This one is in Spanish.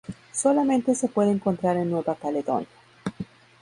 Solamente se puede encontrar en Nueva Caledonia.